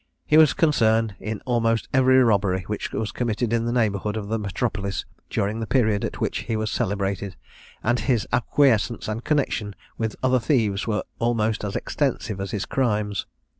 He was concerned in almost every robbery which was committed in the neighbourhood of the metropolis during the period at which he was celebrated, and his acquaintance and connexion with other thieves were almost as extensive as his crimes.